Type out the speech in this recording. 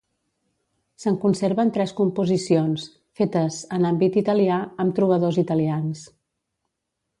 Se'n conserven tres composicions, fetes en àmbit italià, amb trobadors italians.